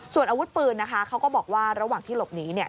ส่วนอวุธปืนเขาก็บอกว่าระหวังที่หลบหนี